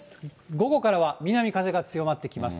午後からは南風が強まってきます。